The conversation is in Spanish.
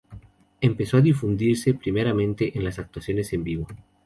Empezó a difundirse primeramente en las actuaciones en vivo.